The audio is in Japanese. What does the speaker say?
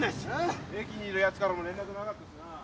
駅にいるやつからも連絡なかったしな。